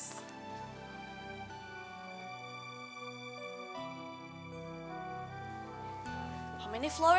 berapa banyak bunga yang aku punya